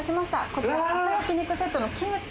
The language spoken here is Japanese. こちら朝焼肉セットのキムチ。